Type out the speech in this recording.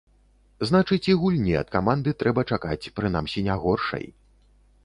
Значыць, і гульні ад каманды трэба чакаць, прынамсі, не горшай.